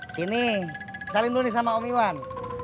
sini saling dulu nih sama om iwan